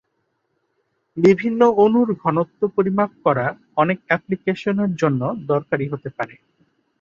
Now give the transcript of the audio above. বিভিন্ন অণুর ঘনত্ব পরিমাপ করা অনেক অ্যাপ্লিকেশনের জন্য দরকারী হতে পারে।